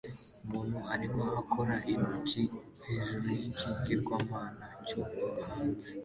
Umuntu arimo akora intoki hejuru yikigirwamana cyo hanze